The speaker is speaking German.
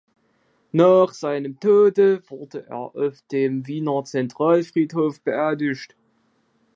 Nach seinem Tode wurde er auf dem Wiener Zentralfriedhof beerdigt.